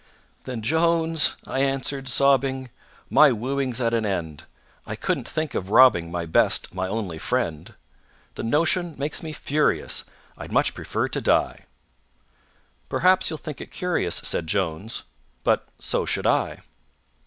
"Then, JONES," I answered, sobbing, "My wooing's at an end, I couldn't think of robbing My best, my only friend. The notion makes me furious I'd much prefer to die." "Perhaps you'll think it curious," Said JONES, "but so should I."